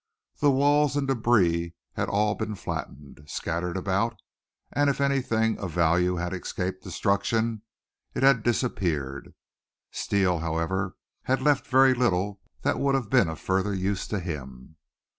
The walls and debris had all been flattened, scattered about, and if anything of, value had escaped destruction it had disappeared. Steele, however, had left very little that would have been of further use to him.